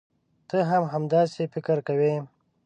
ته هم همداسې فکر کوې.